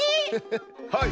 はい。